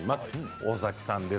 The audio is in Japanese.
尾崎さんです。